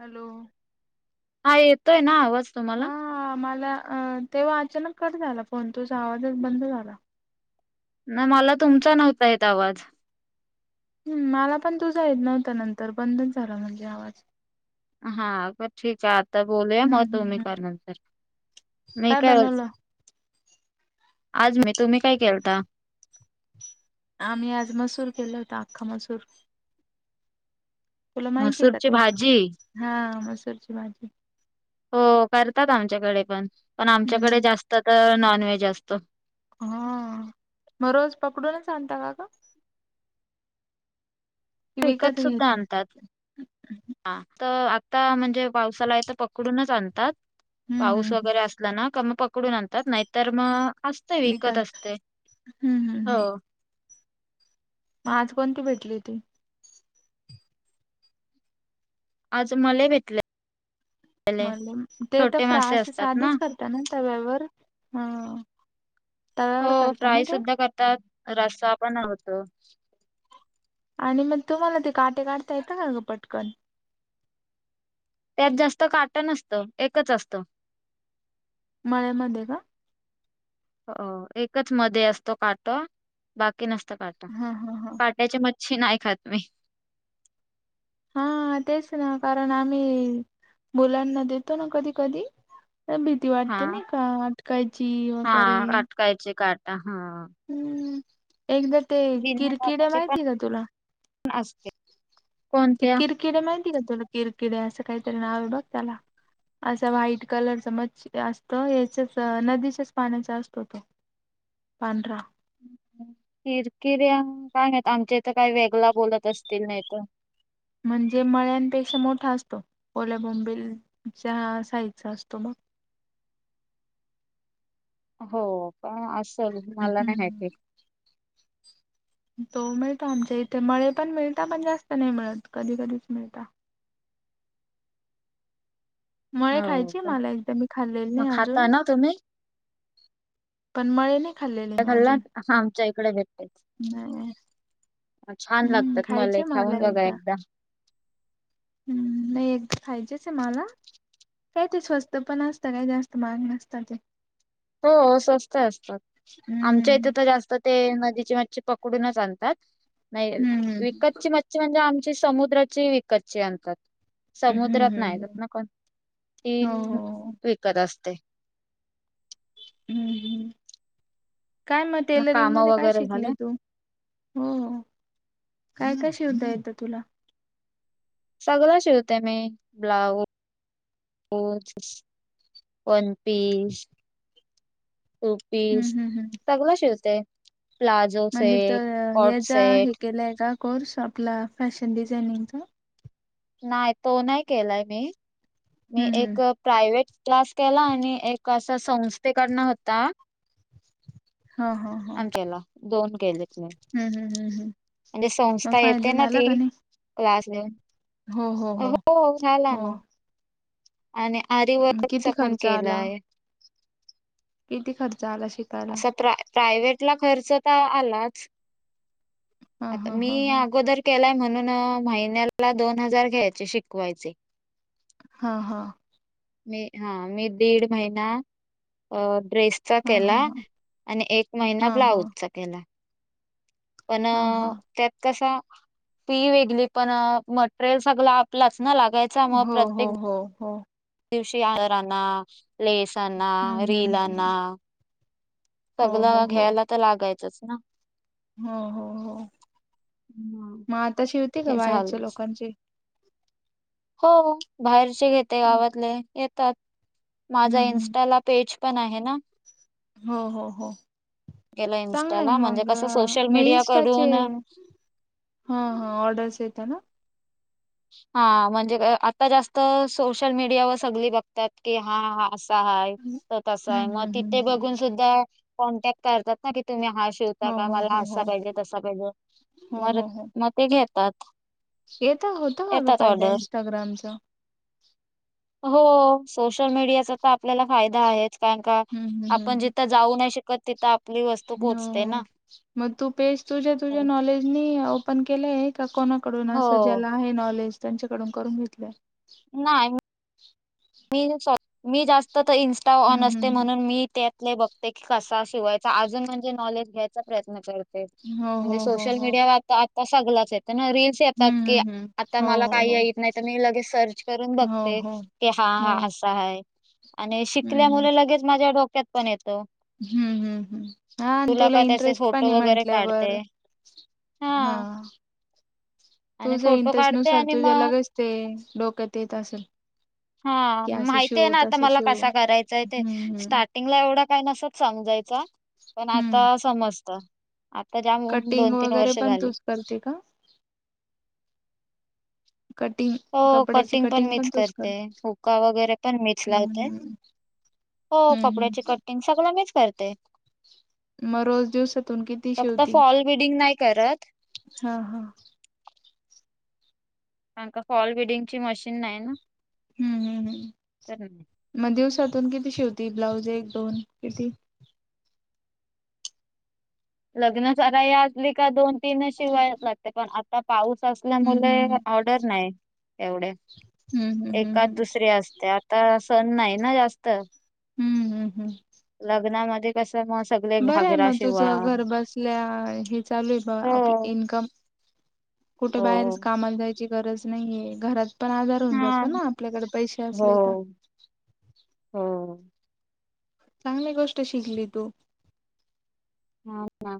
Hello हा येतोय ना आवाज तुम्हाला? अं तेव्हा अचानक कट झाला, पण तुजा आवाज बंद झाला. ना मला तुमचा नव्हता येत आवाज हम्म मला पण तुझा येत नव्हता नंतर बंध झाला म्हणजे आवाज. हा प ठीक आहे आता बोलूया हम्म मग तू मी हम्म. कर नंतर. मी काय होच आज मी तुम्ही काय केलता? आम्ही आज मसूर केल होता, अख्खा मसूर. तुला माहिती आहे मसूरची का भाजी. हा, मसूरची भाजी. हो करतात आमच्याकडे पण. पण आमच्याकडे हम्म जास्त तर नॉन व्हेज असत. हा मग रोज पकडूूनच आणता का का? विकत सुद्धा घ्यायचे आणतात. अ त आता म्हणजे पावसाला आहे तर पकडूनच आणतात. हम्म हम्म पाऊस हम्म वगैरे असला ना का मग पकडून आणतात. नाहीतर मग असते विकत असते. हम्म हम्म हो. हम्म मग आज पण ती भेटली होती. आज मले भेतले. म्ह ते तर फ्रास साधेच करतात ना तव्यावर? अ तव्यावर हो करत ना फ्राय ताई? सुद्धा करतात. रस्सा पण होत. आणि मग तुम्हाला ते काटे काढता येतं का ग पटकन. त्यात जास्त काट नसत एकच असत. मळे मध्ये का? हो एकच मध्ये असतो काट बाकी की नसत काटा हा हा हा काटयाची मच्छी नाही खात मी. हा तेच ना कारण आम्ही मुलांना देतो ना कधी कधी भीती हा वाटते नाही का अटकायची वगैरे, हा काटकायचे काटा हा. हम्म! एकदा ते बिना किरकिडे काटाचे माहितीय का तुला? पण असते. त कोणत्या? किरकिडे माहिती का तुला किरकिडे असं काहीतरी नाव आहे बघ त्याला. असा व्हाईट कलरच मच्छ असत याच्याच नदीच्याच पाण्याचा असतो तो. पांढरा. हम् हम् किर किर काय नाही आमच्या इथं काही वेगळा बोलत असतील नाही तर, म्हणजे मळ्यांपेक्षा मोठा असतो ओल्या बोंबिलच्या साइजचा असतो मग, हा हो पण असल मला नाही हम्म माहिती. तो मिळतो आमच्या इथे मळे पण मिळत पण जास्त नाही मिळत कधी कधीच मिळत. मळे हो खायची का! मला एकदा मी खाल्लेली मग नाही खाता अजून ना तुम्ही? पण मळे नाही खाल्लेले मी त्याल्ला अजून असा आमच्या डे भेट. नाही छान हम्म लागतात मले खायचे खाऊन मला बघा एकदा. नाही एकदा खायचेच आहे मला. काय ते स्वस्त पण असत, काय जास्त महाग नसत ते. हो, स्वस्त असतात. आमच्या इथे हम्म तर जास्त ते नदीची मच्छि पकडूनच आणतात. नाही, हम्म विकतची मच्छी म्हणजे आमची समुद्राची विकतची आणतात. हम्म समुद्रात नाही जात हम्म ना कोण ती हो हो विकत असते. हम्म हम्म... काय मग टेलरिंग काम मध्ये काय वगैरे शिकली झालं तू? हो... काय काय शिवता येतं तुला? सगळ शिवते मी ब्लाऊज, पोच, पनपिस, टोपी, हम्म हम्म हम्म सगळ शिवते. प्लाझो म्हणजे, सेट, तर कॉट याचा हे सेट केलंय का? कोर्स आपला फॅशन डिझायनिंगचा. नाही तो नाही केलाय मी. मी हम्म हम्म. एक प्रायव्हेट क्लास केला आणि एक असा संस्थेकडन होता. हा हा हा. अंतला दोन केल. [inaudible] हम्म हम्म हम्म हम्म. आणि ती मग संस्था येते फायदा ना झाला ती का नाही? क्लास घेऊन हो हो हो झाला ना ह... आणि आरीवर्कचा पण खर्च आला? केलाय. किती खर्च आला शिकायला? प्रायव्हेट ला खर्च त आलाच. हा आता हा मी हा हा. अगोदर केलाय. म्हणून, महिन्याला दोन हजार घ्यायचे शिकवायचे. हा हा... मी हा मी दीड महिना अ ड्रेसचा हा हा केला हा आणि एक हा महिना हा ब्लाऊजचा केला. अं.. हा हा. त्यात कसा फि वेगळी पण.. मटेरियल सगल आपलच न लागायचा म हो हो प्रत्येक हो हो दिवशी आगरांना, लेसआंना, हम्म हम्म रीलआंना हम्म. हो सगळ हो हो घ्यायला तर लागायचंच ना. हो हो हो.. हम्म, मग आता शिवते का हे बाहेरच्या झालंच लोकांचे हो, बाहेरचे घेते, हम्म गावातले येतात. माझा इन्स्टा हम्म ला पेज पण आहे ना. हो हो हो... गेला चांगलंय इन्स्टाला म्हणजे मग कसं अ.. सोशल मग मीडिया इन्सटाचे करून हा हा ऑर्डर्स येता ना हा म्हणजे आता जास्त सोशल मीडिया वर सगळी बघतात की हा हा अ हाय.. हम्म त तस आहे, मग हम्म तिथे हम्म बघून सुधा कॉन्टॅक करतात ना. तुम्ही हा शिवता हो का? हो मला हो असा हो पाहिजे तसा पाहिजे हो मर हो हो मग ते घेतात. येत होत काग येतात फायदा ऑर्डर इंस्टाग्रामचा? हो सोशल मीडियाचा तर आपल्याला फायदा आहेच. कारण का हम्म आपण हम्म जिथं जाऊ नाही शकत तिथं वस्तू पोहोचते ना हो.. मग तू पेज तुझ्या-तुझ्या हम्म. नॉलेजनी ओपन केलं आहे का कोणाकडून असं हो ज्याला आहे नॉलेज त्यांच्याकडून करून घेतलंय. नाही. मी मी जास्त तर इन्स्टा ऑन हम्म असते हम्म म्हणून मी त्यात ले बघते की कसा शिवायचा अजून म्हणजे नॉलेज घ्यायचा प्रयत्न कर ते.. हो हो म्हणजे हो सोशल हो मीडिया आता आता सगलाच आहे. ना रील्स येतात हम्म की हम्म हम्म आता हो मला काही हो येत नाही तर मी लगेच सर्च करून हो हो बघते. हो की हा हो हा असा हाय आणि हम्म शिकल्या हम्म मुले लगेच माझ्या डोक्यात पण येत. हम्म हम् हम्... हा आणि तुला त्याचे इंटरेस्ट पण फोटो आहे वगैरे म्हंटल्यावर काढते हा... आणि तुझ फोटो इंटरेस्ट काढते नुसार आणि तुझ्या मग लगेच ते डोक्यात येत असल. हा माहिती आहे ना आता मला कसा करायचांय ते हम्म हम्म स्टार्टिंगला एवढं काय नसत समजत जायचा पण हम्म आता समजत. आता जाम कटिंग दोन तीन वगैरे वर्ष पण झाली तूच करते का? हो कटिंग पण मीच करते, हुक्का वगैरे पण मीच हम्म लावते. हम्म हो हम्म हम्म. कपड्याची कटिंग सगळ मीच करते. मग रोज दिवसातून किती फक्त शिवती? फॉल बिडिंग नाही करत हा हा कारण का फॉल बिडिंग ची मशीन नाही ना. हम्म हम् हम्.. तर नाही मग दिवसा तून किती शिवती ब्लाउज एक, दोन किती? लग्न सराई असली का दोन, तीनच शिवाय लागते पण आता पाऊस असल्यामुले हम्म हम्म ऑर्डर नाही एवढे. हम्म हम्म हम्म एकाद हम्म दुसरी असते, आता सण नाही ना जास्त. हम् हम्... ते कस मग सगळे घागरा शिवा घर बसल्या हे चालू आहे बा हो आप इन्कम कुठे हो बाहेरच कामाला जाय ची गरज नाहीेये घरात पण आधार होऊन हा जातो ना आपल्याकडे पैसे हो असले तर. हो चांगली गोष्ट आहे शिकली तू. हां ना.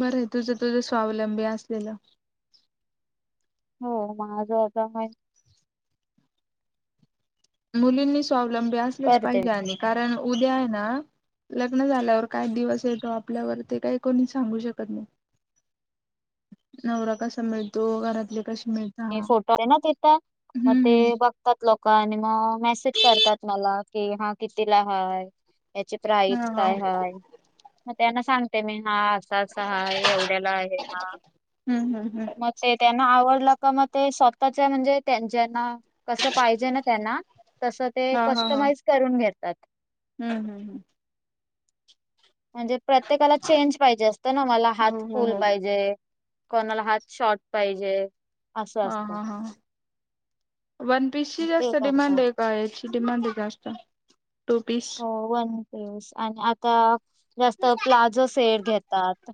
बरय तुझं-तुझं स्वावलंबी असलेलं. हो. माझ आता मुलींनी स्वावलंबी असलच करते पाहिजे आणि कारण उद्या आहे ना लग्न झाल्यावर काय दिवस येतो आपल्यावर ते काही कोणी सांगू शकत नाही. नवरा कसा मिळतो, घरातले कशी ते फोटो आहे ना तींथ मग ते हम्म बघतात लोक आणि मग मेसेज करतात मला कि हा कितीला हाय याची हा प्राईस हा काय हाय, मग त्यांना सांगते मी. हा असा-असा हाय एवढ्याला आहे हा, हम्म हम्म हम्म मग ते त्यांना आवड त मग ते स्वतःच्या म्हणजे त्यांन ज्यांना कस पाहिजे ना त्यांना तसं ते हा हा हा कस्टमाइज करून घेतात. हम्म हम्म हम्म.. म्हणजे प्रत्येकाला चेंज पाहिजे असतं ना मला हो हात हो फुल हो पाहिजे कोणाला हात शॉर्ट पाहिजे. असं हा असतं. हा हा... वन मग पीसची ते जास्त डिमांड करतात आहे का याची डिमांड आहे जास्त टू पीस? हो वन आणि आता जास्त प्लाजो सेट घेतात.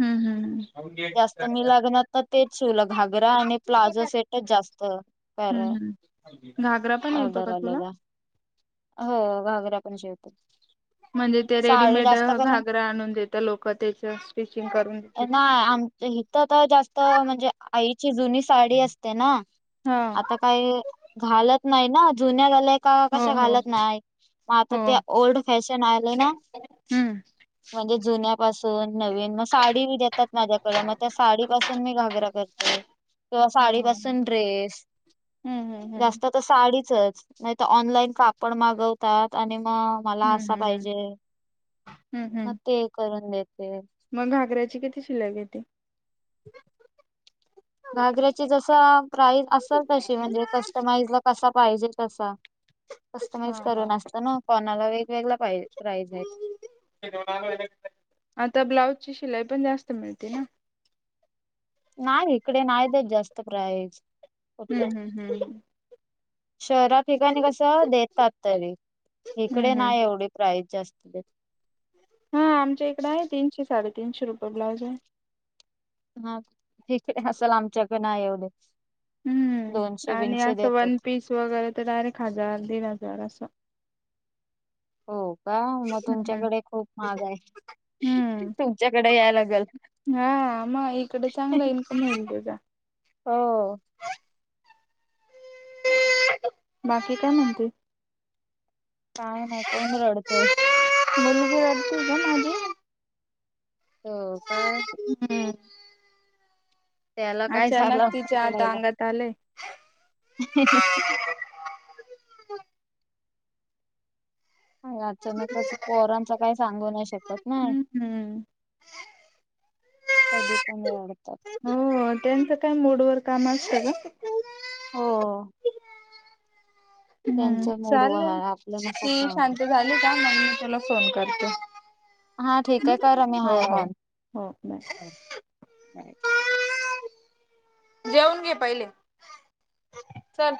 हम्म हम् हम... जास्त मी लग्नात तर तेच शीवलं घागरा आणि प्लाझो सेटच जास्त तर हम्म हम्म घागरा पण येतो ऑर्डर का तुला? आलेला हो घागरापण शिवते. म्हणजे ते साडी रेडीमेड जास्त करून घागरा आणून देत, लोक त्याच स्टिचिंग करून देते का? हित तर जास्त म्हणजे आईची जुनी साडी असते ना हा आता काय घालत नाही ना जुन्या झाल्याका हो कस हो घालत नाही मग आता हो ते ओल्ड फॅशन आलेय ना [unintelligible] म्हणजे जुन्यापासून नवीन मग साडी देतात माझ्याकड मग त्या साडीपासून मी घागरा करते. किंवा ह साडी ह ह पाासून ड्रेस हम्म हम्म हम्म जास्त तर साडीत नाहीतर ऑनलाईन कापड मागवतात आणि मग मला हम्म असा हम्म हम्म पाहिजे हम्म मग हम्म ते करून देत मग घागऱ्याची किती शिलाई घेते? घागऱ्याची जस प्राईस असेल तशी म्हणजे कस्टमाइज ला कसा पाहिजे तसा हा कस्टमाइज हा करून असत ना कोणाला वेग आता ब्लाउज ची शिलाई पण जास्त मिळते ना? नाही इकडे नाही देत जास्त प्राईज. कुठ हम्म हम्म हम्म... शहरा ठिकाणी कस देतात तरी इकडे हम्म नाही हम्म एवढी प्राईज जास्त. [unintelligible] हा आमच्या इकडे आहे साडेतीनशे तीनशे रुपये ब्लाउज आहे. हा ठीक असल आमच्याकडे नाही एवढ हम्मम आणि असं वन देतात. पीस वगैरे तर डायरेक्ट, हजार दीड हजार असं हो का मग हम्म तुमच्याकडे खूप महाग आहे. हम्म तुमच्याकडे याय लागेल. हा म इकडे चांगला इनकम होईल तुझा. हो. बाकी काय म्हणते? काय नाही. कोण रडतोय? बरोबर तुझं माझं हो काय त्याला काय अच्यानाक झालं आता तिच्या रडायला. अंगात आलंय [unintelligible] [inaudible] अचानकच कोरांचा काही सांगू नाही शकत ना हम्म हम्म कधी पणवत हो त्यांचं काय मूड वर काम असतं ग हो हम्म त्यांच्या मूडवर चालेल हाय आपल्यानुसार ती काय शांत होणार झाली का म मी तुला फोन करते त हा ठीक आहे कर मी हाय ऑन हो बाय. देवून घे पहिले चल